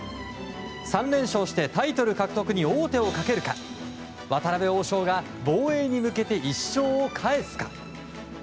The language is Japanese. ３連勝してタイトル獲得に王手をかけるか渡辺王将が防衛に向けて１勝を返すか。